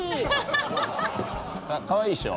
かわいいでしょ。